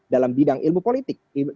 dalam bidang ilmu politik